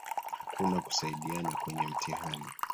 Hakuna kusaidiana kwenye mtihani.